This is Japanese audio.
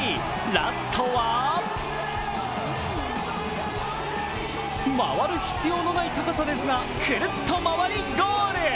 ラストは回る必要のない高さですがくるっと回りゴール。